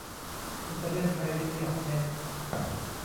อิตาเลียนไทย ดีเวล๊อปเมนต์